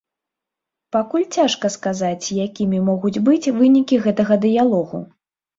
Пакуль цяжка сказаць якімі могуць быць вынікі гэтага дыялогу.